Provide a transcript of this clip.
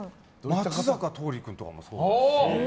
松坂桃李君とかもそうだし